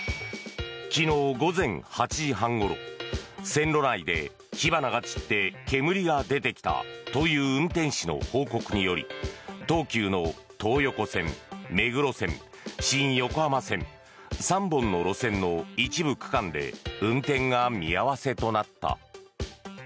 昨日午前８時半ごろ線路内で火花が散って煙が出てきたという運転士の報告により東急の東横線、目黒線、新横浜線３本の路線の一部区間で運転が見合わせとなった。